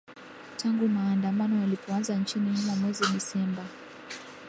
tangu maandamano yalipoanza nchini humo mwezi desemba